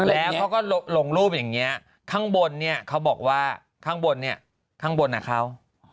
แล้วเขาก็ลงรูปอย่างนี้ข้างบนเนี่ยเขาบอกว่าข้างบนเนี่ยข้างบนอ่ะเขา